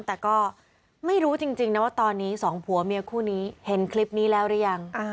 แต่ก็ไม่รู้จริงนะว่าตอนนี้สองผัวเมียคู่นี้เห็นคลิปนี้แล้วหรือยัง